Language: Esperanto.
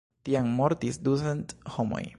Tiam mortis ducent homoj.